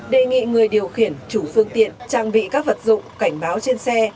đề nghị người điều khiển chủ phương tiện trang bị các vật dụng cảnh báo trên xe